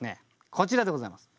こちらでございます。